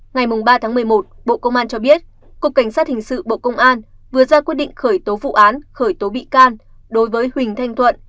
ngày ba một mươi một bộ công an cho biết cục cảnh sát hình sự bộ công an vừa ra quyết định khởi tố vụ án khởi tố bị can đối với huỳnh thanh thuận